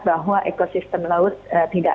bahwa ekosistem laut tidak